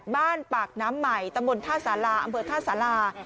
บ้านปากน้ำใหม่ตำบลท่าสาราอำเภอท่าสารา